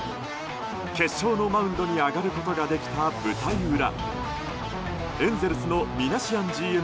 決勝のマウンドに上がることができた舞台裏。